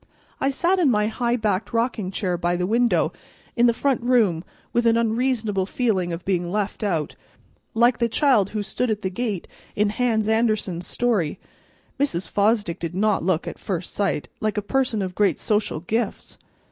I sat in my high backed rocking chair by the window in the front room with an unreasonable feeling of being left out, like the child who stood at the gate in Hans Andersen's story. Mrs. Fosdick did not look, at first sight, like a person of great social gifts.